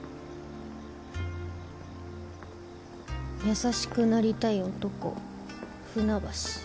優しくなりたい男船橋。